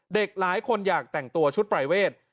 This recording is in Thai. เด็กหลายคนอยากแต่งตัวชุดปรายเวท